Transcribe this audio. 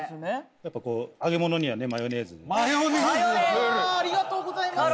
やっぱこう揚げ物にはねマヨネーズマヨネーズくる？